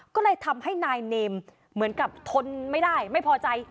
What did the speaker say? ก็เลยทำให้นายเนมเหมือนกับทนไม่ได้ไม่พอใจ